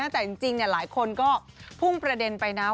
แต่จริงหลายคนก็พุ่งประเด็นไปนะ